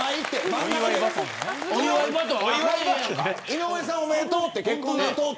井上さん、おめでとうって。